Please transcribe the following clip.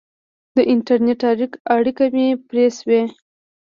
د انټرنېټ اړیکه مې پرې شوې.